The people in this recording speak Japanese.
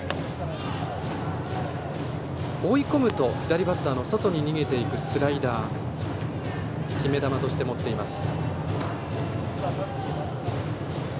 追い込むと、左バッターの外に逃げていくスライダーを決め球として持っています。